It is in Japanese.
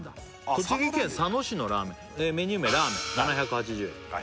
栃木県佐野市のラーメンメニュー名ラーメン７８０円